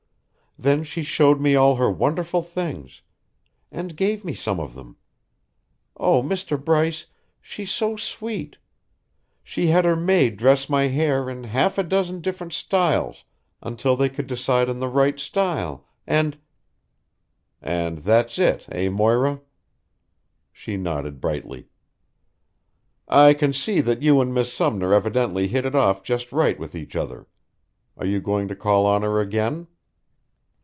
Then she showed me all her wonderful things and gave me some of them. Oh, Mr. Bryce, she's so sweet. She had her maid dress my hair in half a dozen different styles until they could decide on the right style, and " "And that's it eh, Moira?" She nodded brightly. "I can see that you and Miss Sumner evidently hit it off just right with each other. Are you going to call on her again?"